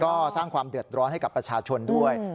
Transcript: ก็สร้างความเดือดร้อนให้กับประชาชนด้วย